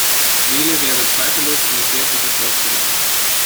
Nele wäre zweifellos eine sehr gute Schauspielerin.